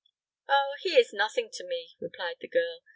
"Oh, he is nothing to me," replied the girl.